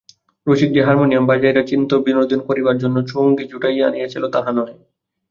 রসিক যে হার্মোনিয়ম বাজাইয়া চিত্তবিনোদন করিবার জন্য সঙ্গী জুটাইয়া আনিয়াছিল তাহা নহে।